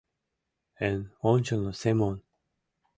Эн ончылно Семон